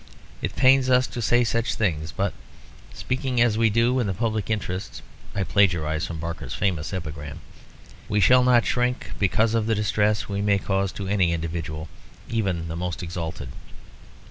It pains us to say such things, but, speaking as we do in the public interests (I plagiarise from Barker's famous epigram), we shall not shrink because of the distress we may cause to any individual, even the most exalted.